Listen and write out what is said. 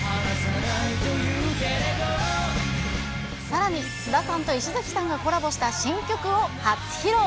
さらに、菅田さんと石崎さんがコラボした新曲を初披露。